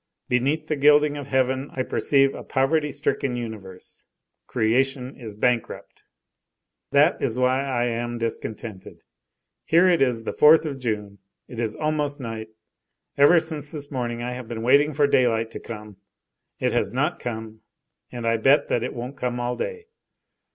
Beneath the gilding of heaven I perceive a poverty stricken universe. Creation is bankrupt. That is why I am discontented. Here it is the 4th of June, it is almost night; ever since this morning I have been waiting for daylight to come; it has not come, and I bet that it won't come all day.